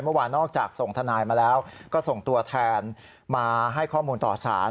เมื่อวานนอกจากส่งทนายมาแล้วก็ส่งตัวแทนมาให้ข้อมูลต่อสาร